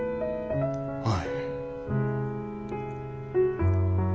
はい。